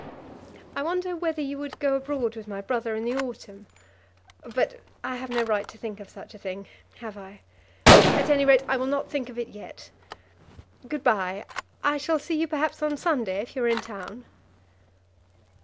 "I wonder whether you would go abroad with my brother in the autumn? But I have no right to think of such a thing; have I? At any rate I will not think of it yet. Good bye, I shall see you perhaps on Sunday if you are in town."